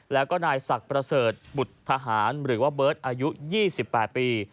แล้วก็นายศักดิ์ประเสริฐบุตรทหารหรือว่าเบิร์ตอายุ๒๘ปี